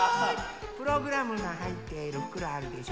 プログラムのはいっているふくろあるでしょ？